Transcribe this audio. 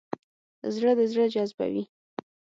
زړه د زړه جذبوي.